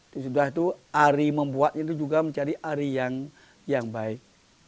di sebelah itu ari membuatnya itu juga mencari ari yang baik